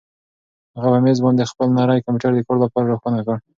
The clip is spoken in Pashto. هغه په مېز باندې خپل نری کمپیوټر د کار لپاره روښانه کړ.